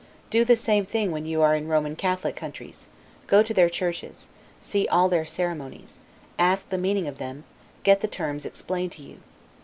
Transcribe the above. Do the same thing when you are in Roman Catholic countries; go to their churches, see all their ceremonies: ask the meaning of them, get the terms explained to you.